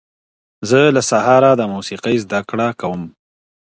زه له سهاره د موسیقۍ زده کړه کوم.